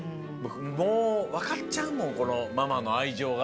もうわかっちゃうもんこのママのあいじょうが。